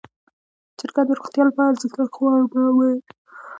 چرګان د روغتیا لپاره ارزښتناک خواړه برابروي.